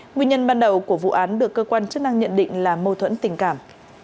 nguyên nhân ban đầu của vụ án được cơ quan chức năng nhận định là mâu thuẫn tình cảm